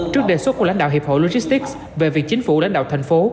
trước đề xuất của lãnh đạo hiệp hội logistics về việc chính phủ lãnh đạo thành phố